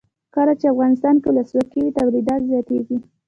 کله چې افغانستان کې ولسواکي وي تولیدات زیاتیږي.